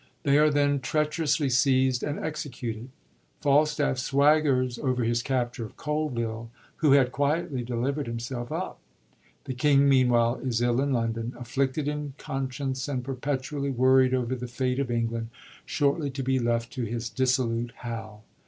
They are then treacher ously seizd and executed. Falstafl swaggers over his capture of Coleville, who had quietly deliverd himself up. The king, meanwhile, is ill in London, afflicted in conscience, and perpetually worried over the fate of England, shortly .to be left to his dissolute Hal.